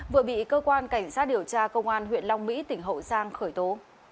vừa bị cơ quan cảnh sát điều tra công an huyện long mỹ tỉnh hậu giang khởi tố